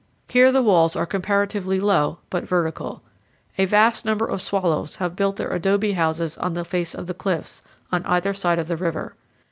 Here the walls are comparatively low, but vertical. A vast number of swallows have built their adobe houses on the face of the cliffs, on either side of the river.